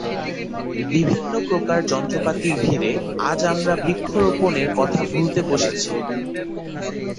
বিভিন্ন প্রকার যন্ত্রপাতির ভিড়ে আজ আমরা বৃক্ষরোপনের কথা ভুলতে বসেছি।